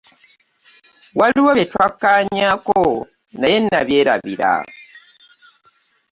Waliwo bye twakkaanyaako naye nabyerabira.